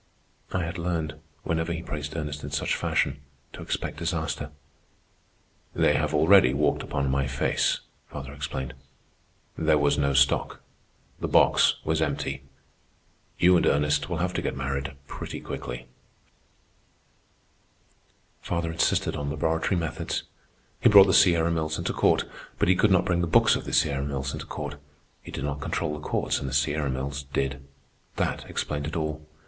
I had learned, whenever he praised Ernest in such fashion, to expect disaster. "They have already walked upon my face," father explained. "There was no stock. The box was empty. You and Ernest will have to get married pretty quickly." Father insisted on laboratory methods. He brought the Sierra Mills into court, but he could not bring the books of the Sierra Mills into court. He did not control the courts, and the Sierra Mills did. That explained it all.